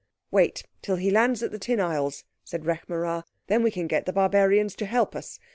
"Wait till he lands in the Tin Isles," said Rekh marā, "then we can get the barbarians to help us.